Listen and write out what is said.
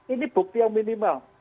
ini bukti yang minimal